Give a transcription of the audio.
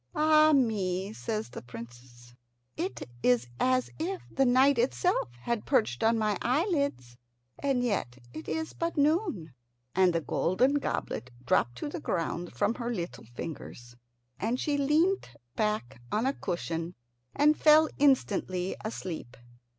"Ah me!" says the Princess, "it is as if the night itself had perched on my eyelids, and yet it is but noon." And the golden goblet dropped to the ground from her little fingers, and she leant back on a cushion and fell instantly asleep.